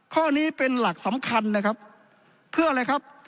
ข้อนี้เป็นหลักสำคัญนะครับเพื่ออะไรครับ